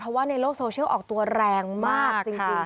เพราะว่าในโลกโซเชียลออกตัวแรงมากจริง